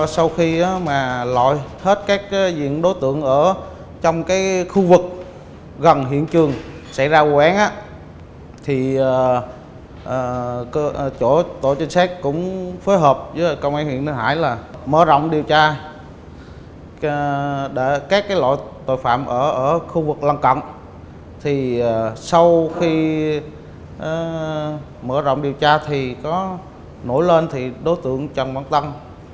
sau khi mở rộng điều tra thì có nổi lên thì đối tượng trần quang tâm